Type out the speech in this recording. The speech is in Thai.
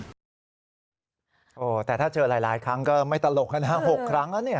โหแต่ถ้าเจอหลายครั้งก็ไม่ตลกนะครับ๕๖ครั้งนะเนี่ย